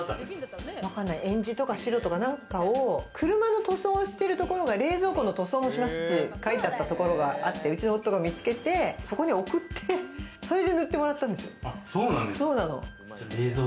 えんじとか白とか何かを車の塗装してるところが冷蔵庫の塗装もします！って書いてあったところがあって、夫が見つけてそこに送って塗ってもらったんですよ。